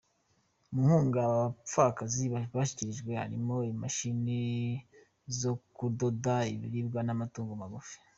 Mu nkunga aba bapfakazi bashyikirijwe harimo imashini zo kudoda, ibiribwa n’amatungo magufi.